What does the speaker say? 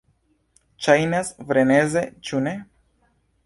Ŝajnas freneze, ĉu ne?